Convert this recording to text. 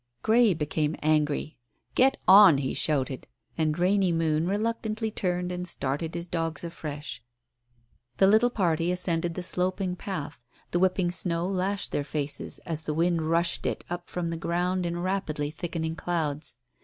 Grey became angry. "Get on," he shouted. And Rainy Moon reluctantly turned and started his dogs afresh. The little party ascended the sloping path. The whipping snow lashed their faces as the wind rushed it up from the ground in rapidly thickening clouds.